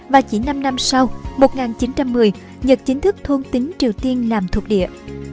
và chỉ năm năm sau một nghìn chín trăm một mươi nhật chính thức thôn tính triều tiên làm thuộc địa